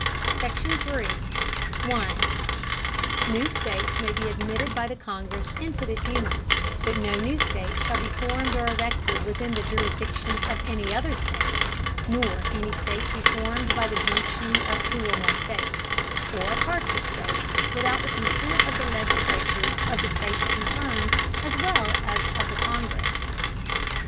SECTION. 3. New States may be admitted by the Congress into this Union; but no new State shall be formed or erected within the Jurisdiction of any other State; nor any State be formed by the Junction of two or more States, or Parts of States, without the Consent of the Legislatures of the States concerned as well as of the Congress.